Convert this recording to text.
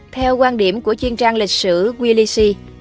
theo quan điểm của chuyên trang lịch sử willissey